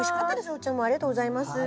お茶もありがとうございます。